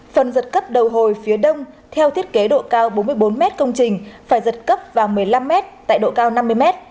phần giật cấp đầu hồi phía đông theo thiết kế độ cao bốn mươi bốn m công trình phải giật cấp một mươi năm m tại độ cao năm mươi m